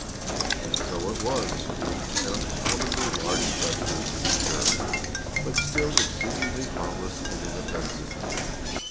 And so it was; an uncommonly large specimen, to be sure, but still exceedingly harmless and inoffensive.